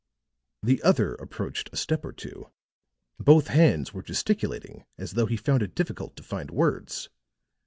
The other approached a step or two; both hands were gesticulating as though he found it difficult to find words.